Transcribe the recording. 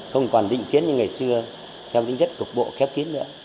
không còn định kiến như ngày xưa theo tính chất cục bộ khép kín nữa